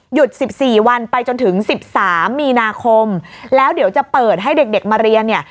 สิบสี่วันไปจนถึงสิบสามมีนาคมแล้วเดี๋ยวจะเปิดให้เด็กเด็กมาเรียนเนี่ย